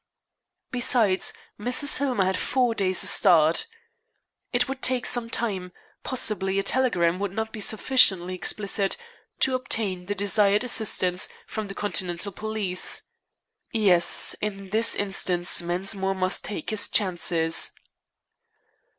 Besides, Mrs. Hillmer had four days' start. It would take some time possibly a telegram would not be sufficiently explicit to obtain the desired assistance from the Continental police. Yes in this instance, Mensmore must take his chances.